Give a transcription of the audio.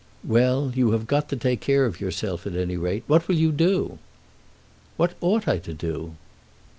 "Well; you have got to take care of yourself at any rate. What will you do?" "What ought I to do?"